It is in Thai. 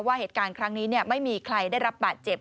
เหตุการณ์ครั้งนี้ไม่มีใครได้รับบาดเจ็บ